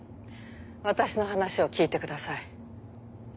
私の話を聞いてください。